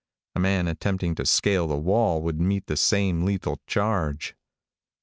A man attempting to scale the wall would meet the same lethal charge.